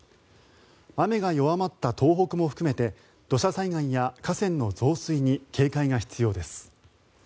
雨が弱まった東北も含めて土砂災害や河川の増水に警戒が必要です。